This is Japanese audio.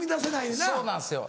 そうなんですよ